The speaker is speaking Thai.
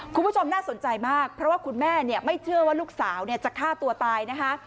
คุณผู้ชมน่าสนใจมากเพราะว่าคุณแม่ไม่เชื่อว่าลูกสาวจะฆ่าตัวตายนะคะ